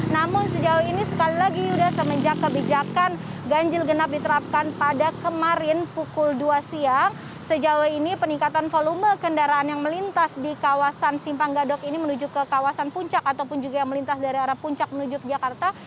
namun sejauh ini sekali lagi yuda semenjak kebijakan ganjil genap diterapkan pada kemarin pukul dua siang sejauh ini peningkatan volume kendaraan yang melintas di kawasan simpang gadok ini menuju ke kawasan puncak ataupun juga yang melintas dari arah puncak menuju ke jakarta